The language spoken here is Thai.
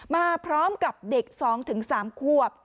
มาพร้อมกับเด็ก๒๓ควบ